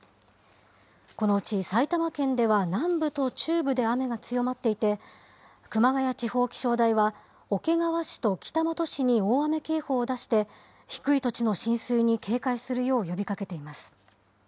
このうち埼玉県では南部と中部で雨が強まっていて、熊谷地方気象台は、桶川市と北本市に大雨警報を出して、低い土地の浸水に警戒するよう呼びかけています。